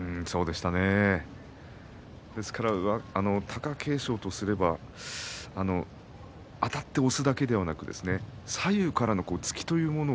貴景勝とすればあたって押すだけではなく左右からの突きというもの